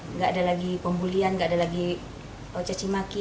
nggak ada lagi pembulian nggak ada lagi cacimaki